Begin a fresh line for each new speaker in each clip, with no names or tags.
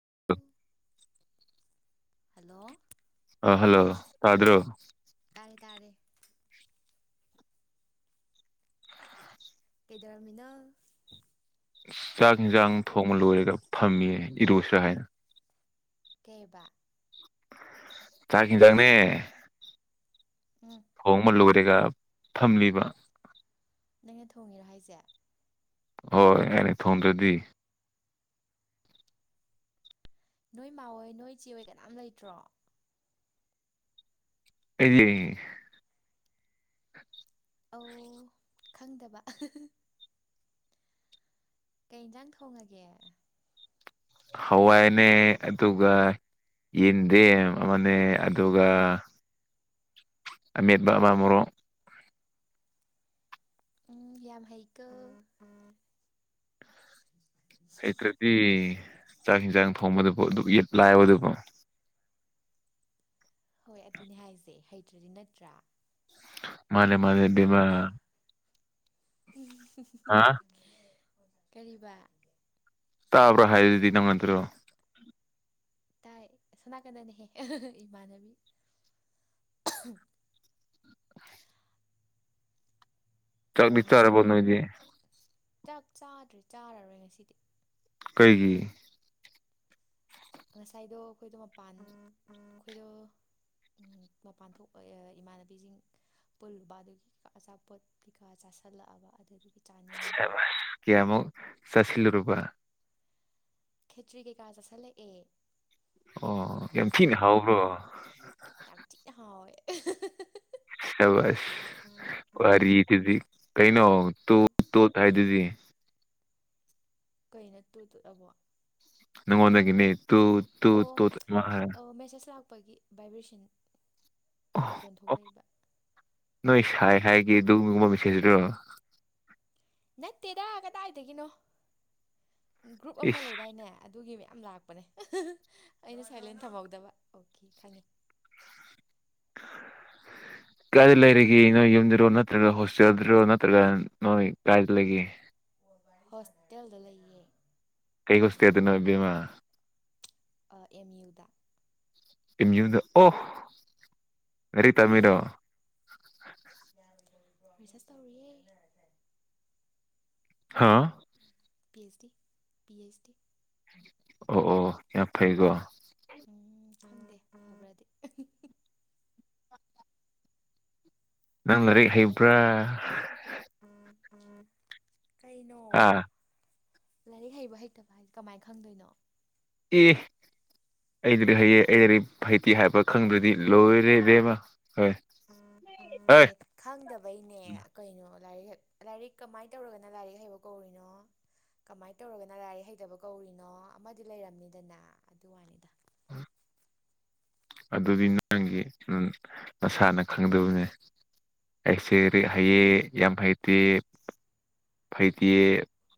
[inaudible]
hello
ꯑ hello ꯑ꯭ꯔꯣ
ꯇꯔꯦ ꯇꯔꯦ ꯀꯩꯗꯔꯃꯤꯅ
ꯆꯥꯛ ꯌꯦꯟꯁꯥꯡ ꯊꯣꯡꯕ ꯂꯣꯏꯔꯒ ꯐꯝꯃꯤꯌꯦ ꯏꯔꯣꯏꯁ ꯍꯥꯏꯅ
ꯀꯦꯕꯥ
ꯆꯀꯤ ꯇꯪꯅꯦ
ꯎꯝ
ꯊꯣꯡꯃ ꯂꯣꯏꯔꯦꯒ ꯊꯝꯂꯤꯕ
ꯅꯪꯅ ꯊꯣꯡꯉꯤꯔꯣ ꯍꯥꯏꯁꯦ
ꯍꯣꯏ ꯑꯅꯦ ꯊꯣꯡꯗ꯭ꯔꯗꯤ
ꯅꯣꯏ ꯃꯥꯑꯣꯣꯏ ꯅꯣꯏ ꯆꯦ ꯍꯣꯏ ꯀꯅꯥꯝ ꯂꯩꯇ꯭ꯔꯣ
ꯑꯦ
ꯑꯣ ꯈꯪꯗꯕ ꯀꯩ ꯏꯖꯥꯟ ꯊꯣꯡꯉꯒꯦ
ꯍꯋꯥꯏꯅꯦ ꯑꯗꯨꯒ ꯌꯦꯗꯦ ꯃꯅꯦ ꯑꯗꯨꯒ ꯃꯤꯠ ꯕꯥ ꯃꯣꯔꯣ
ꯎꯝ ꯌꯥꯝ ꯍꯩꯀ
ꯍꯩꯇ꯭ꯔꯗꯤ ꯆꯥꯛ ꯍꯟꯖꯥꯡ ꯊꯣꯡꯕꯗꯨꯕꯣ ꯑꯗꯨꯛ ꯌꯦꯠ ꯂꯥꯛꯑꯕ ꯑꯗꯨꯕꯨ
ꯍꯣꯏ ꯑꯗꯨꯅꯤ ꯍꯥꯏꯁꯦ ꯍꯩꯇ꯭ꯔꯗꯤ ꯅꯠꯇ꯭ꯔꯥ
ꯃꯥꯅꯦ ꯃꯥꯅꯦ ꯃ
ꯎꯝ
ꯍꯥꯥ
ꯀꯔꯤꯕ
ꯇꯥꯕ꯭ꯔꯥ ꯍꯥꯏꯗꯨꯗꯤ ꯅꯪꯉꯟꯗ꯭ꯔꯣ
ꯇꯥꯏ ꯁꯅꯥ ꯀꯅꯦꯅꯦꯍꯦ ꯏꯃꯥꯟꯕꯤ ꯑꯣ
ꯆꯕꯤꯆꯔꯦꯕ
ꯉꯁꯤꯗꯤ
ꯅꯣꯏꯗꯤꯦ
ꯆꯥꯛ ꯆꯥꯗ꯭ꯔꯦ ꯆꯥꯔꯔꯣꯏ ꯉꯁꯤꯗꯤ
ꯀꯩꯒꯤ
ꯉꯁꯥꯏꯗꯣ ꯑꯩꯈꯣꯏꯗꯣ ꯃꯄꯥꯟ ꯑꯩꯈꯣꯏꯗꯣ ꯃꯄꯥꯟ ꯊꯣꯛ ꯏꯃꯥꯟꯅꯕꯤꯁꯤꯡ ꯄꯨꯟꯕ ꯑꯗꯨꯒꯤ ꯑꯆꯥꯄꯣꯠ ꯀꯩꯀꯥ ꯆꯥꯥꯁꯜꯂꯛꯑꯕ ꯑꯗꯨꯗꯒꯤ
ꯁꯦꯕꯥꯁ ꯀꯌꯥꯃꯨꯛ ꯆꯥꯁꯤꯜꯂꯨꯔꯕ
ꯈꯦꯆꯔꯤ ꯀꯩ ꯀꯥꯥꯁ ꯑꯁꯦ ꯑꯦ
ꯑꯣ ꯌꯥꯝ ꯊꯤꯅ
ꯑꯗꯨꯗꯒꯤ
ꯍꯥꯎꯕ꯭ꯔꯣ
ꯌꯥꯝ ꯊꯤꯅ ꯍꯥꯎꯋꯦ
ꯁ ꯀꯔꯤꯖꯤ ꯀꯩꯅꯣ ꯇꯣ ꯇꯣ ꯍꯥꯏꯗꯨꯖꯤ
ꯀꯩꯅꯠꯇꯨ ꯇꯨꯂꯕꯣ
ꯉꯣ ꯅ ꯅ ꯇ ꯇ ꯇꯦ
ꯑꯄꯒꯤ ꯚꯥꯏꯏꯕ꯭ꯔꯦꯁꯟ ꯃꯈꯣꯟ
ꯑꯣ
ꯊꯣꯛꯂꯛꯏꯕ
ꯅꯣꯏ ꯁꯥꯏ ꯍꯥꯏꯒꯤ ꯨꯝꯒꯨꯝꯕ ꯃꯤꯁꯁꯤ꯭ꯔꯣ
ꯅꯠꯇꯦꯗ ꯀꯗꯥꯏꯗꯒꯤꯅꯣ ꯒ꯭ꯔꯨꯞ ꯑꯃ
ꯏꯁ
ꯂꯩꯗꯥꯏꯅꯦ ꯑꯗꯨꯒꯤ ꯌꯥꯝ ꯂꯥꯛꯄꯅꯦ ꯑꯩꯅ ꯁꯥꯏꯂꯦꯟ ꯊꯝꯍꯧꯗꯕ ꯑꯣꯀꯦ ꯈꯪꯉꯤ [inaudible]
ꯀꯥꯏꯗ ꯂꯩꯔꯤꯒꯦ ꯅꯣꯏ ꯌꯨꯝꯗꯔꯣ ꯅꯠꯇ꯭ꯔꯒ ꯍꯣꯁꯇꯦꯜꯗꯨꯔꯣ ꯅꯠꯇ꯭ꯔꯒ ꯅꯣꯏ ꯀꯥꯏꯗ ꯂꯩꯒꯦ
ꯍꯣꯁꯇꯦꯜꯗ ꯂꯩꯌꯦ
ꯀꯩꯒꯣꯁꯤ ꯍꯥꯏꯗꯅꯣ ꯕꯤꯃ
ꯑꯦꯝ ꯌꯨꯗ
ꯏ ꯌꯨꯝꯗ ꯑꯣ ꯔꯔꯤꯇꯥ ꯃꯤꯔꯣ
ꯄꯩꯁꯥ ꯇꯧꯔꯤꯌꯦ
ꯍꯥ
P H D P H D
ꯑꯣ ꯑꯣ ꯌꯥꯝ ꯐꯩꯀꯣ
ꯎꯝ ꯈꯗꯦ ꯃꯥꯕ꯭ꯔꯗꯤꯦ
ꯅꯪ ꯂꯥꯏꯔꯤ ꯍꯩꯕ꯭ꯔꯥ
ꯎꯝ ꯎꯝ ꯀꯩꯅꯣ
ꯑꯥ
ꯂꯥꯏꯔꯤꯛ ꯍꯩꯕ ꯍꯩꯇꯕ ꯍꯥꯏꯁꯦ ꯀꯃꯥꯏꯅ ꯈꯪꯗꯣꯏꯅꯣ
ꯑꯦ ꯑꯩꯗꯗꯤ ꯍꯩꯌꯦ ꯑꯩꯗꯗꯤ ꯍꯩꯇꯦ ꯍꯥꯏꯕ ꯈꯪꯗ꯭ꯔꯗꯤ ꯂꯣꯏꯔꯦꯕꯦꯝꯃ
ꯎꯝ ꯎꯝ ꯑꯦ ꯈꯪꯗꯕꯩꯅꯦ ꯀꯩꯅꯣ ꯂꯥꯏꯔꯤꯛ ꯍ ꯂꯥꯏꯔꯤꯛ ꯀꯃꯥꯏꯅ ꯇꯧꯔꯒꯅ ꯂꯥꯏꯔꯤꯛ ꯍꯩꯕ ꯀꯧꯔꯤꯅꯣ ꯀꯃꯥꯏꯅ ꯇꯧꯔꯒꯅ ꯂꯥꯏꯔꯤꯛ ꯍꯩꯇꯕ ꯀꯧꯔꯤꯅꯣ ꯑꯃꯗꯤ ꯂꯩꯔꯝꯅꯤꯗꯅ ꯑꯗꯨ ꯋꯥꯅꯤꯗ
ꯑ ꯑꯗꯨꯗꯤ ꯅꯪꯒꯤ ꯅꯁꯥꯅ ꯈꯪꯗꯕꯅꯦ ꯑꯩꯁꯦ ꯍꯩꯌꯦ ꯌꯥꯝ ꯍꯩꯇꯦ ꯐꯩꯇꯦ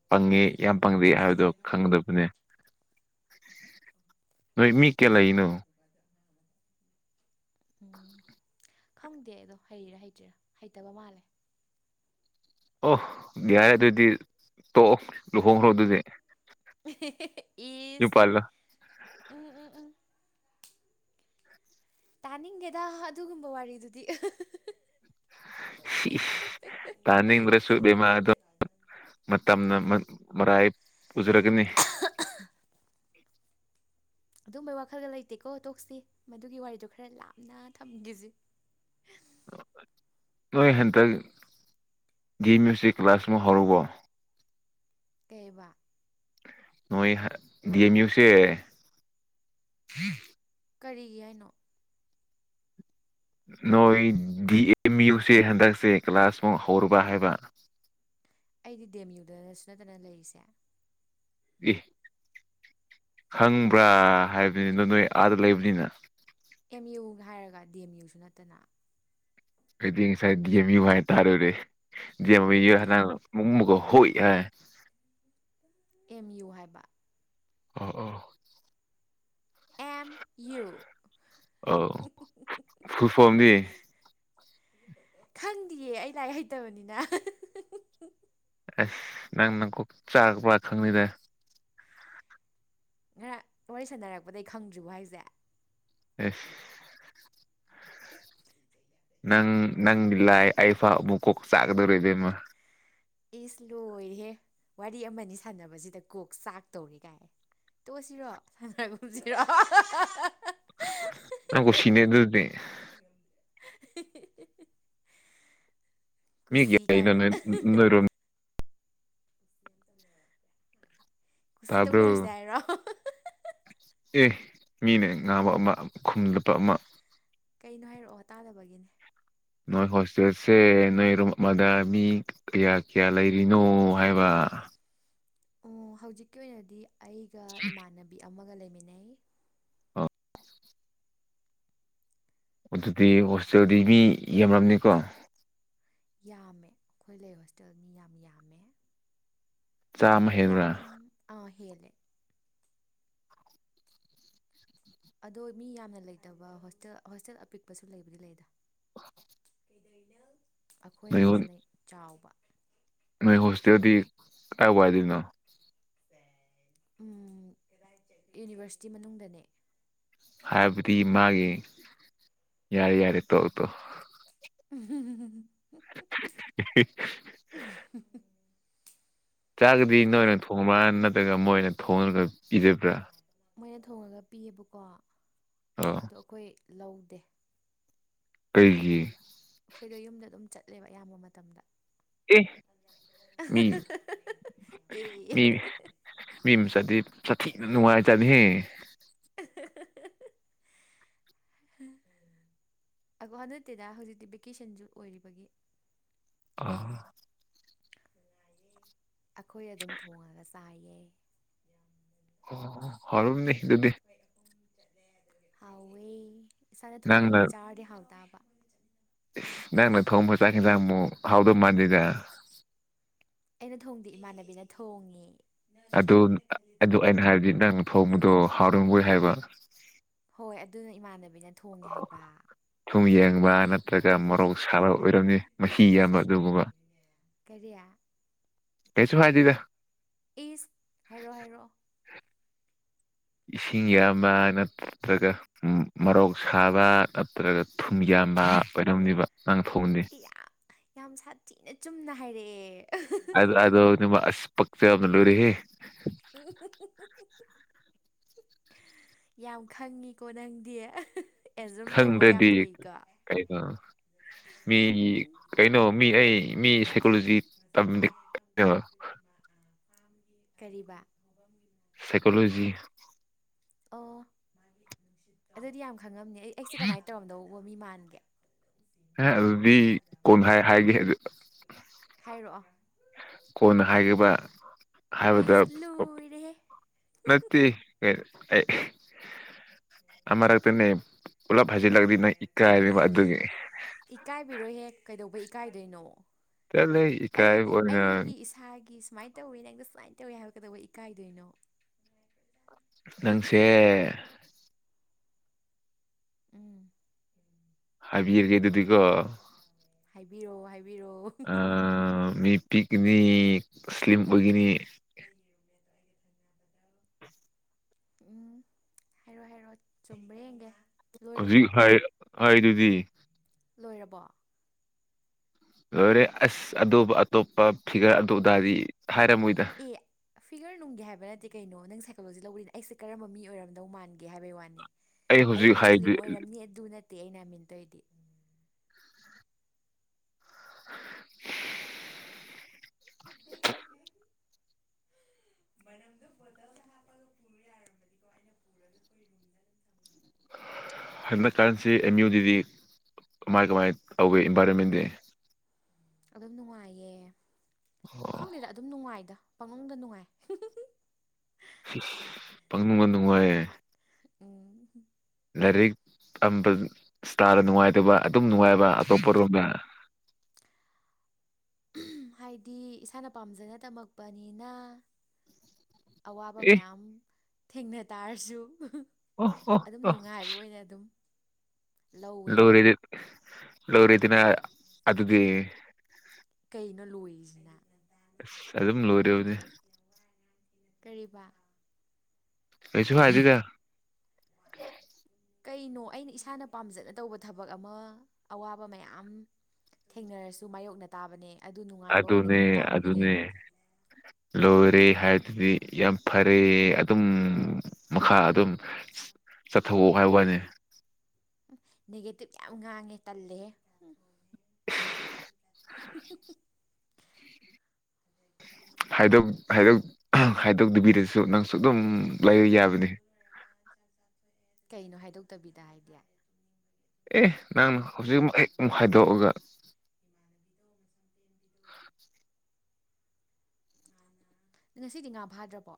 ꯄꯪꯉꯦ ꯌꯥꯝ ꯄꯪꯗꯦ ꯍꯥꯏꯕꯗꯣ ꯈꯪꯒꯗꯕꯅꯦ ꯅꯣꯏ ꯃꯤ ꯀꯌꯥ ꯂꯩꯅꯣ
ꯎꯝ ꯈꯪꯗꯦ ꯑꯗꯣ ꯍꯩꯔꯥ ꯍꯩꯇ꯭ꯔꯤꯔꯥ ꯍꯩꯇꯕ ꯃꯥꯜꯂꯦ
ꯑꯣ ꯌꯥꯔꯦ ꯑꯗꯨꯗꯤ ꯇꯣꯛꯑꯣ ꯂꯨꯍꯣꯡꯈ꯭ꯔꯣ ꯑꯗꯨꯗꯤ
ꯏ
ꯨꯄꯥꯜꯂ
ꯎꯝ ꯇꯥꯅꯤꯡꯒꯦꯗ ꯑꯗꯨꯒꯨꯝꯕ ꯋꯥꯔꯤꯗꯨꯗꯤ
ꯇꯥꯖꯗ꯭ꯔꯦꯁꯨ ꯃ ꯑꯗꯨ ꯃꯇꯝꯅ ꯃꯔꯥꯏ ꯄꯨꯖꯔꯒꯅꯤ
ꯑꯗꯨꯝꯕꯩ ꯋꯥꯈꯜꯗ ꯂꯩꯇꯦꯀꯣ ꯇꯣꯛꯁꯤ ꯃꯗꯨꯒꯤ ꯋꯥꯔꯤꯗꯣ ꯈꯔ ꯂꯥꯞꯅ ꯊꯝꯈꯤꯁꯤꯦ ꯍꯝ
ꯅꯣꯏ ꯍꯟꯗꯛ ꯒꯤ ꯃ꯭ꯌꯨꯖꯤꯛ ꯀ꯭ꯂꯥꯁ ꯑꯃ ꯍꯧꯔꯨꯕꯣ
ꯀꯦꯕꯥ
ꯅꯣꯏ ꯗꯤꯑꯦꯝ ꯌꯨꯁꯦ
ꯀꯔꯤꯒꯤ ꯍꯥꯏꯅꯣ
ꯅꯣꯏ ꯗꯤ ꯑꯦꯝ ꯌꯨꯁꯦ ꯍꯟꯗꯛꯁꯦ ꯀ꯭ꯂꯥꯁꯃꯨꯛ ꯍꯧꯔꯨꯕ ꯍꯥꯏꯕ
ꯑꯩꯗꯤ ꯗꯦꯝ ꯌꯨꯗꯅꯁꯨ ꯅꯠꯇꯅ ꯂꯩꯔꯤꯁꯦ
ꯎ ꯈꯪꯕ꯭ꯔꯥ ꯍꯥꯏꯕꯅꯤꯅ ꯅꯣꯏ ꯑꯥꯗ ꯂꯩꯕꯅꯤꯅ
ꯑꯦꯝ ꯌꯨꯅ ꯍꯥꯏꯔꯒ ꯗꯤ ꯑꯦꯝ ꯌꯨꯁꯨ ꯅꯠꯇꯅ
ꯑꯗꯨꯗꯤ ꯉꯁꯥꯏ ꯗꯤ ꯑꯦꯝ ꯌꯨ ꯍꯥꯏꯇꯥꯥꯔꯨꯔꯦ ꯗꯤ
ꯅꯠꯇꯦ
ꯑꯦꯝ ꯃꯨꯛ ꯃꯨꯀꯣ ꯍꯣꯏ ꯑꯦ
ꯑꯦꯝ ꯌꯨ ꯍꯥꯏꯕ
ꯑ ꯑ
ꯑꯦꯝ ꯌꯨ
ꯑ ꯐ ꯐꯝꯗꯤ
ꯈꯪꯗꯌꯦ ꯑꯩ ꯂꯥꯏꯔꯤꯛ ꯍꯩꯇꯕꯅꯤꯅ
ꯑꯁ ꯅꯪ ꯅꯪꯀꯨꯞ ꯆꯥꯔꯛ ꯈꯪꯉꯗꯦ
ꯉꯔꯥꯡ ꯋꯥꯔꯤ ꯁꯥꯟꯅꯔꯛꯄꯗꯒꯤꯩ ꯈꯪꯗ꯭ꯔꯤꯕ ꯍꯥꯏꯁꯦ
ꯑꯦ ꯅꯪ ꯅꯪꯂꯥꯏ ꯑꯐꯥ ꯑꯃꯨꯀꯣꯛ ꯆꯥꯒꯗꯧꯔ ꯏꯗꯦꯝꯃ
ꯑꯦꯁ ꯂꯣꯏꯔꯍꯦ ꯋꯥꯔꯤ ꯑꯃꯅꯤ ꯁꯥꯟꯅꯕꯁꯤꯗ ꯀꯣꯛ ꯆꯥꯛ ꯇꯧꯔꯤ ꯀꯥꯏ ꯇꯣꯛꯑꯁꯤꯔꯣ ꯁꯗ꯭ꯔꯒꯨꯝꯁꯤꯔꯣ
ꯑ ꯈꯨꯁꯤꯅꯦ ꯑꯗꯨꯗ ꯃꯤ
ꯀꯨꯁꯤ ꯀꯥꯏꯅ
ꯀꯅꯅ ꯅꯣꯏꯔꯣꯝ
ꯀꯨꯁꯤ
ꯇꯥꯕ꯭ꯔꯣ
ꯇꯧꯅꯔꯁꯦ ꯍꯥꯏꯔꯣ
ꯑꯦ ꯃꯤꯅ ꯉꯅꯥꯕ ꯑꯃ ꯈꯨꯝꯂꯠꯄ ꯑꯃ
ꯀꯩꯅꯣ ꯍꯥꯏꯔꯛꯑꯣ ꯇꯥꯗꯕꯒꯤꯅꯦ
ꯅꯣꯏ ꯍꯣꯁꯇꯦꯜꯁꯦ ꯅꯣꯏ ꯔꯨꯝ ꯑꯃꯗ ꯃꯤ ꯀꯌꯥ ꯀꯌꯥ ꯂꯩꯔꯤꯅꯣ ꯍꯥꯏꯕ
ꯑꯣ ꯍꯧꯖꯤꯛꯀꯤ ꯑꯣꯏꯅꯗꯤ ꯑꯩꯒ ꯏꯃꯥꯟꯅꯕꯤ ꯑꯃꯒ ꯂꯩ
ꯑꯣ ꯑꯗꯨꯗꯤ ꯍꯣꯁꯇꯦꯜꯗꯤ ꯃꯤ ꯌꯥꯝꯂꯝꯅꯤꯀꯣ
ꯌꯥꯝꯃꯦ ꯑꯩꯈꯣꯏ ꯂꯩ ꯍꯣꯁꯇꯦꯜ ꯃꯤ ꯌꯥꯝ ꯌꯥꯝꯃꯦ
ꯆꯥꯝꯃ ꯍꯦꯟꯕ꯭ꯔꯥ
ꯌꯥꯝ ꯑ ꯍꯦꯂꯦ ꯑꯗꯣ ꯃꯤ ꯌꯥꯝꯅ ꯂꯩꯇꯕ ꯍꯣꯁꯇꯦꯜ ꯍꯣꯁꯇꯦꯜ ꯑꯄꯤꯛꯄꯁꯨ ꯂꯩꯕꯗꯤ ꯂꯩꯗ
ꯅꯣꯏ
ꯑꯩꯈꯣꯏꯒꯤꯁꯤꯅ ꯆꯥꯎꯕ
ꯅꯣꯏ ꯍꯣꯁꯇꯦꯜꯗꯤ ꯀꯥꯏ ꯋꯥꯏꯗꯅꯣ
ꯎꯝ ꯌꯨꯅꯤꯚꯔꯁꯤꯇꯤ ꯃꯅꯨꯡꯗꯅꯦ
ꯍꯥꯏꯕꯗꯤ ꯃꯥꯒꯤ ꯌꯥꯔꯦ ꯌꯥꯔꯦ ꯇꯧ ꯇꯣ
[unintelligible] [inaudible]
ꯆꯥꯛꯒꯗꯤ ꯅꯣꯏꯅ ꯊꯣꯡꯉꯕ꯭ꯔꯥ ꯅꯠꯇ꯭ꯔꯒ ꯃꯣꯏ ꯑꯣꯏꯅ ꯊꯣꯡꯉꯒ ꯏꯖꯕ꯭ꯔꯥ
ꯃꯣꯏꯅ ꯊꯣꯡꯉꯒ ꯄꯤꯌꯦꯕꯀꯣ
ꯑꯣ
ꯑꯗꯣ ꯑꯩꯈꯣꯏ ꯂꯧꯗꯦ
ꯀꯩꯒꯤ
ꯑꯩꯈꯣꯏꯗ ꯌꯨꯝꯗ ꯑꯗꯨꯝ ꯆꯠꯂꯦꯕ ꯑꯌꯥꯝꯕ ꯃꯇꯝꯗ
ꯀ ꯃꯤ
ꯑꯦ
ꯃꯤ ꯃꯤ ꯁ ꯅꯨꯅꯨꯡꯉꯥꯏ ꯆꯅꯤꯍꯦ
[inaudible] ꯑꯣ ꯍꯟꯗꯛꯇꯤꯗ ꯍꯧꯖꯤꯛꯇꯤ ꯚꯦꯀꯦꯁꯟꯁꯨ ꯑꯣꯏꯔꯤꯕꯒꯤ
ꯑ
ꯑꯩꯈꯣꯏ ꯑꯗꯨꯝ ꯊꯣꯡꯉꯒ ꯆꯥꯏꯌꯦꯦ
ꯍꯔꯝꯅꯤ ꯑꯗꯨꯗꯤ
ꯍꯥꯎꯥꯎꯦ ꯁꯅ
ꯅꯪꯅ
ꯊꯉ ꯆꯥꯗ ꯍꯥꯥꯎ ꯇ
ꯅꯪꯅ ꯊꯣꯡꯕ ꯆꯈꯦꯖꯃꯣ ꯍꯥꯎꯗ ꯃꯥꯟꯖꯖ
ꯑꯩꯅ ꯊꯣꯡꯗꯤꯦ ꯏꯃꯥꯟꯅꯕꯤꯅ ꯊꯣꯡꯉꯤ
ꯑꯗꯨ ꯑꯗꯨ ꯑꯩꯅ ꯍꯥꯏꯕꯗꯤ ꯅꯪ ꯐꯣꯡꯕꯗꯣ ꯍꯥꯎꯔꯝꯃꯣꯏ ꯍꯥꯏꯕ
ꯍꯣꯏ ꯑꯗꯨꯅ ꯏꯃꯥꯟꯅꯕꯤꯅ ꯊꯣꯡꯉꯦ ꯍꯥꯏꯕ
ꯕ ꯅꯠꯇ꯭ꯔꯒ ꯃꯣꯔꯧ ꯁꯥꯕ ꯑꯣꯏꯔꯝꯅꯤ ꯃꯍꯤ ꯌꯥꯝꯕ ꯑꯗꯨꯒꯕ
ꯀꯔꯤꯌꯥ
ꯀꯩꯁꯨ ꯐꯥꯏꯗꯤꯤꯒ
ꯑꯦꯁ ꯍꯥꯏꯦꯔꯣ ꯍꯥꯏꯔꯣ
ꯏꯁꯤꯡ ꯌꯥꯝꯕ ꯅꯠꯇ꯭ꯔꯒ ꯃꯔꯣꯛ ꯁꯥꯕ ꯅꯠꯇ꯭ꯔꯒ ꯊꯨꯝ ꯌꯥꯝꯕ ꯅꯤꯕ
ꯌꯥꯝ ꯌꯥꯝ ꯁꯥꯊꯤꯅ ꯆꯨꯝꯅ ꯍꯥꯏꯔꯛꯑꯦ
ꯑꯗ ꯑꯗ ꯑꯁ ꯄꯛꯝ ꯂꯨꯔꯤ
ꯌꯥꯝ ꯈꯪꯉꯤꯀꯣ ꯅꯪꯗꯤ ꯑꯦꯖꯨꯝ ꯇꯧꯕ ꯌꯥꯝ
ꯈꯪꯗ꯭ꯔꯗꯤ
ꯍꯩꯀꯣ
ꯀꯩꯅꯣ ꯃꯤ
ꯎꯝ
ꯀꯩꯅꯣ ꯃꯤ ꯑꯩ ꯃꯤ ꯁꯥꯏꯀꯣꯂꯣꯖꯤ ꯇꯝ
ꯀꯔꯤꯕ
ꯁꯥꯏꯀꯣꯂꯣꯖꯤ
ꯑꯣ ꯑꯗꯨꯗꯤ ꯌꯥꯝ ꯈꯪꯉꯝꯅꯦ ꯑꯩ ꯑꯩꯁꯦ ꯀꯃꯥꯏꯅ ꯇꯧꯔꯝꯗꯧ ꯎ ꯃꯤ ꯃꯥꯟꯒꯦ
ꯍ ꯑꯗꯨꯗꯤ ꯀꯣꯟꯈꯥꯏ ꯍꯥꯏꯒꯦ
ꯍꯥꯏꯥꯏꯔꯛꯑꯣ
ꯀꯣꯟꯅ ꯍꯥꯏꯈꯤꯕ ꯍꯥꯏꯕ
ꯏꯁ ꯂꯣꯏꯔꯦꯍꯦ
ꯅ ꯀ ꯑꯩ ꯑꯃꯔꯛꯇꯅ ꯄꯨꯂꯞ ꯐꯖꯤꯜꯂꯛꯗꯤ ꯅꯪ ꯏꯀꯥꯏ ꯍꯥꯏꯅꯤ ꯑꯗꯨꯒꯤ
ꯀꯥꯏꯗꯩꯅꯣ
ꯆꯠ ꯂꯩ ꯏꯀꯥꯏ ꯑꯣꯏꯅ
ꯏꯁꯥꯒꯤ ꯁꯨꯃꯥꯏꯅ ꯇꯧꯋꯤ ꯅꯪꯗ ꯁꯨꯃꯥꯏꯅ ꯇꯧꯋꯤ ꯍꯥꯏꯔꯛꯀꯗꯧꯕ ꯏꯀꯥꯏꯗꯣꯏꯅꯣ
ꯅꯪꯁꯦ
ꯎꯝ
ꯍꯥꯏꯕꯤꯔꯒꯦ ꯑꯗꯨꯗꯤꯀꯣ
ꯍꯥꯏꯕꯤꯔꯛꯑꯣ ꯍꯥꯏꯕꯤꯔꯛꯑꯣ
ꯃꯤ ꯄꯤꯛꯅꯤ ꯁ꯭ꯂꯤꯝ ꯑꯣꯏꯒꯅꯤ
ꯎꯝ ꯍꯥꯏꯔꯣ ꯍꯥꯏꯔꯣ ꯆꯨꯝꯕ꯭ꯔꯦꯒꯦ
ꯍꯧꯖꯤꯛ ꯍꯥꯏ ꯍꯥꯏꯗꯨꯗꯤ
ꯂꯣꯏꯔꯕꯣ
ꯂꯣꯏꯔꯦ ꯑꯁ ꯑꯗꯨꯕꯨ ꯑꯇꯣꯞꯄ ꯐꯤꯒꯔ ꯑꯗꯨꯗꯥꯔꯗꯤ ꯍꯥꯏꯔꯝꯃꯣꯏꯗ
ꯑꯦ ꯐꯤꯒꯔ ꯅꯨꯡꯒꯦ ꯍꯥꯏꯕ ꯅꯠꯇꯦ ꯀꯩꯅꯣ ꯅꯪ ꯁꯥꯏꯀꯣꯂꯣꯖꯤ ꯂꯧꯕꯔꯤꯅꯤ ꯑꯩꯁꯦ ꯀꯔꯝꯕ ꯃꯤ ꯑꯣꯏꯔꯝꯗꯧ ꯃꯥꯟꯒꯦ ꯍꯥꯏꯕꯩ ꯋꯥꯅꯤ ꯑꯩ
ꯍꯧꯖꯤꯛ
ꯏ
ꯍꯥꯏꯗꯤ
ꯏꯁꯂꯤꯝ ꯑꯣꯏꯔꯝꯅꯤ ꯑꯗꯨ ꯅꯠꯇꯦ ꯑꯩꯩꯅꯃꯤꯟꯗꯣꯏꯗꯤ
[unintelligible]
[unintelligible] ꯃꯅꯝꯗꯣ ꯕꯣꯇꯜꯗ ꯍꯥꯞꯄꯒ ꯄꯨ ꯌꯥꯔꯃꯥꯗꯤꯀꯣ ꯑꯩꯅ ꯄꯨꯔꯒꯥ ꯑꯈꯣꯏ ꯌꯨꯝꯗ
ꯍꯟꯗꯛ ꯀꯔꯟꯁꯤ ꯑꯦꯝ ꯌꯨꯗꯗꯤ ꯀꯃꯥꯏ ꯀꯃꯥꯏ ꯇꯧꯋꯦ ꯏꯟꯚꯥꯏꯔꯣꯟꯃꯦꯟꯗꯤ
ꯑꯗꯨꯝ ꯅꯨꯡꯉꯥꯏꯌꯦ
ꯑꯣ
ꯈꯪꯗꯦꯗ ꯑꯗꯨꯝ ꯅꯨꯡꯉꯥꯏꯗ ꯄꯉꯧꯗ ꯅꯨꯡꯉꯥꯏ
ꯄꯪ ꯅꯨꯡꯕ ꯅꯨꯡꯉꯥꯏꯌꯦ
ꯎꯝ
ꯂꯥꯏꯔꯤꯛ ꯑꯃ ꯏꯁꯇꯥꯔꯗ ꯅꯨꯡꯉꯥꯏꯇꯕ ꯑꯗꯨꯝ ꯅꯨꯡꯉꯥꯏꯕ ꯑꯇꯣꯞꯄꯔꯣꯝꯗ
[unintelligible] ꯍꯥꯏꯗꯤ ꯏꯁꯥꯅ ꯄꯥꯝꯖꯅ ꯇꯝꯃꯛꯄꯅꯤꯅ ꯑꯋꯥꯕ
ꯑꯦ
ꯃꯌꯥꯝ ꯊꯦꯡꯅ ꯇꯥꯔꯁꯨ
ꯑꯣ ꯑꯣ
ꯑꯗꯨꯝ
ꯑ
ꯅꯨꯡꯉꯥꯏꯕ ꯑꯣꯏꯅ ꯑꯗꯨꯝ ꯂꯧꯋꯦꯕ
ꯂꯣꯔꯤꯗꯤ ꯂꯣꯔꯤꯗꯅ ꯑꯗꯨꯗꯤ
ꯀꯩꯅꯣ ꯂꯣꯏꯔꯤꯁꯤꯅꯦ
ꯑꯗꯨ ꯑꯗꯨꯝ ꯂꯣꯔꯤꯎꯗꯤ
ꯀꯔꯤꯕ
ꯀꯩꯁꯨꯛ ꯍꯥꯏꯗꯦꯗꯥ
ꯀꯩꯅꯣ ꯑꯩꯅ ꯏꯁꯥꯅ ꯄꯥꯝꯖꯅ ꯇꯧꯕ ꯊꯕꯛ ꯑꯃ ꯑꯋꯥꯕ ꯃꯌꯥꯝ ꯊꯦꯡꯅꯔꯁꯨ ꯃꯥꯌꯣꯛꯅ ꯇꯥꯕꯅꯦ ꯅꯨꯡꯉꯥꯏꯕ
ꯑꯗꯨ
ꯑꯣꯏꯅ
ꯑꯗꯨꯅꯦ
ꯈꯟ
ꯑꯗꯨ
ꯇꯥꯕꯅꯦ
ꯑꯗꯨꯅꯦ
ꯀꯩꯅꯣ
ꯂꯨꯔꯤ ꯍꯥꯏꯔꯗꯨꯗꯤ ꯌꯥꯝ ꯐꯔꯦ ꯑꯗꯨꯝ ꯃꯈꯥ ꯑꯗꯨꯝ ꯆꯠꯊꯑꯣ ꯍꯥꯏꯕ ꯍꯥꯏꯅꯦ
ꯅꯦꯒꯦꯇꯤꯞ ꯌꯥꯝ ꯉꯥꯡꯉꯦ ꯇꯜꯂꯦ
[inaudible] ꯍꯥꯏꯗꯣꯛꯇꯕꯤꯔꯁꯨ ꯅꯪꯁꯨ ꯑꯗꯨꯝ ꯂꯩꯕ ꯌꯥꯕꯅꯤ
ꯀꯩꯅꯣ ꯍꯥꯏꯗꯣꯛꯇꯕꯤꯗ ꯍꯥꯏꯗꯤ
ꯑꯦ ꯅꯪꯅ ꯍꯧꯖꯤꯛ ꯑꯩ ꯑꯃꯨꯛ ꯍꯥꯏꯗꯣꯛꯑꯒ [inaudible]
ꯉꯁꯤꯗꯤ ꯉꯥ ꯐꯥꯗ꯭ꯔꯕꯣ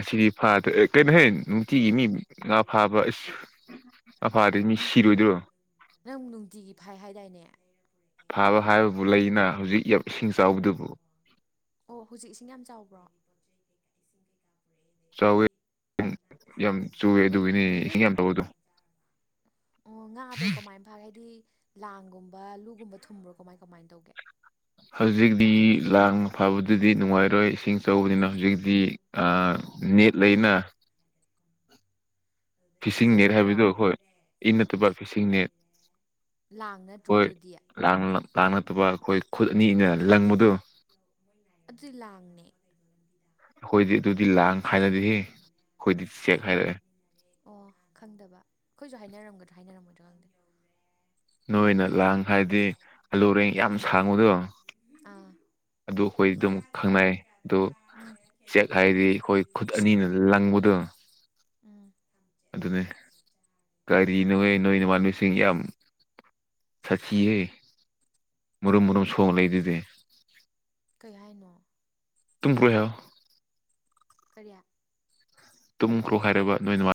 ꯑꯁꯤꯗꯤ ꯐꯥꯗ꯭ꯔꯦ ꯀꯩꯅꯣꯍꯦ ꯅꯨꯡꯇꯤꯒꯤ ꯃꯤ ꯉꯥ ꯐꯥꯕ ꯑꯁ ꯑꯐꯥꯗꯤ ꯃꯤ ꯁꯤꯔꯣꯏꯗ꯭ꯔꯣ
ꯅꯪ ꯅꯨꯡꯇꯤꯒꯤ ꯐꯥꯏ ꯍꯥꯏꯗꯥꯏꯅꯦ
ꯐꯥꯕ ꯍꯥꯏꯕꯕꯨ ꯂꯩꯅ ꯍꯧꯖꯤꯛ ꯏꯁꯤꯡ ꯆꯥꯎꯕꯗꯨꯕꯨ
ꯑꯣ ꯍꯧꯖꯤꯛ ꯏꯁꯤꯡ ꯌꯥꯝ ꯆꯥꯎꯕ꯭ꯔꯣ
ꯆꯥꯎꯋꯦ ꯌꯥꯝ ꯆꯨꯋꯦ ꯑꯗꯨꯒꯤꯅꯤ
ꯅꯣꯏ
ꯏꯁꯤꯡ
ꯅꯣꯏ
ꯌꯥꯝ ꯇꯧꯕꯗꯣ
ꯑꯣ ꯉꯥꯗꯣ ꯀꯃꯥꯏ ꯐꯒꯦ ꯍꯥꯏꯗꯤ ꯂꯥꯡꯒꯨꯝꯕ ꯑꯂꯨꯒꯨꯝꯕ ꯊꯨꯝꯕ꯭ꯔꯣ ꯀꯃꯥꯏ ꯀꯃꯥꯏ ꯇꯧꯒꯦ
ꯍꯧꯖꯤꯛꯇꯤ ꯂꯥꯡ ꯐꯕꯗꯨꯗꯤ ꯅꯨꯡꯉꯥꯏꯔꯣꯏ ꯏꯁꯤꯡꯆꯧꯕꯅꯤꯅ ꯍꯧꯖꯤꯛꯇꯤ ꯅꯦꯠ ꯂꯩꯅ ꯐꯤꯁꯤꯡ ꯅꯦꯠ
ꯏꯟꯗ꯭ꯔꯣ
ꯍꯥꯏꯕꯗꯨꯣ ꯑꯩꯈꯣꯏ ꯏ ꯅꯠꯇꯕ ꯐꯤꯁꯤꯡ ꯅꯦꯠ
ꯂꯥꯡ ꯅꯠꯇ꯭ꯔꯣ ꯑꯗꯨꯗꯤ
ꯂꯥꯛ ꯅꯠꯇꯕ ꯑꯩꯈꯣꯏ ꯈꯨꯠ ꯑꯅꯤꯅ ꯂꯪꯕꯗꯨ
ꯑꯗꯨꯗꯤ ꯂꯥꯡꯅꯦ
ꯑꯩꯈꯣꯏꯗꯤ ꯑꯗꯨꯗꯤ ꯂꯥꯡ ꯈꯥꯏꯔꯗꯤꯍ ꯑꯩꯈꯣꯏꯗꯤ ꯆꯦꯛ
ꯈꯪ
ꯈꯥꯏꯔꯛꯑꯦ
ꯑꯣ ꯈꯪꯗꯕ ꯑꯩꯈꯣꯏꯁꯨ ꯍꯥꯏꯅꯔꯝꯒꯗ꯭ꯔꯥ ꯍꯥꯏꯅꯔꯝꯃꯣꯏꯗ꯭ꯔꯣ ꯈꯪꯗꯦ
ꯅꯣꯏꯅ ꯂꯥꯡ ꯍꯥꯏꯗꯤ ꯑꯂꯣꯔꯦꯡ ꯌꯥꯝ ꯁꯥꯡꯕꯨꯗꯣ
ꯑꯥ
ꯑꯗꯨ ꯑꯩꯈꯣꯏ ꯑꯗꯨꯝ
ꯆꯥꯅꯤꯡꯉꯥꯏ
ꯈꯪꯅꯩ
ꯀꯩꯀꯥꯗꯣ
ꯑꯣ
ꯆꯥꯔꯦ
ꯆꯦꯛ
ꯈꯦꯆ꯭ꯔꯤꯅꯦ
ꯍꯥꯏꯗꯤ ꯑꯩꯈꯣꯏ ꯈꯨꯠ
ꯁꯤꯡꯖꯨꯅꯦ
ꯑꯅꯤꯅ
ꯍꯩꯅꯧꯅꯦ
ꯂꯪꯕꯗ
ꯎꯝ
ꯑꯗꯨꯅꯦ ꯀꯔꯤ ꯅꯣꯏ ꯅꯣꯏ ꯏꯃꯥꯟꯅꯨꯁꯤꯡ ꯌꯥꯝ ꯆꯆꯤꯌꯦ ꯃꯨꯔꯨꯝ ꯃꯔꯨꯝ ꯁꯣꯡ ꯂꯩꯗꯨꯗꯤ
ꯀꯩ ꯍꯥꯏꯅꯣ
ꯇꯨꯡꯀꯨ ꯍꯥꯏꯣ
ꯀꯔꯤꯌꯥ
ꯇꯨꯝꯈ꯭ꯔꯣ ꯍꯥꯏꯔꯕ ꯅꯣꯏ